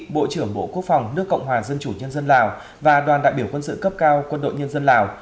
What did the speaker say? bộ trưởng bộ quốc phòng nước cộng hòa dân chủ nhân dân lào và đoàn đại biểu quân sự cấp cao quân đội nhân dân lào